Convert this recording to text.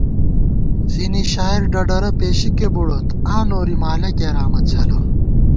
زِنی شاعر ڈَڈَرہ پېشِکے بُڑوت ، آں نوری مالہ کېرامہ څھلہ